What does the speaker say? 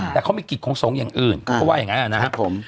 แต่เขามีกิจของสงฆ์อย่างอื่นเขาว่าอย่างนั้นนะครับผม